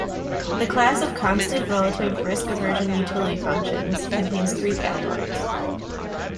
The class of constant relative risk aversion utility functions contains three categories.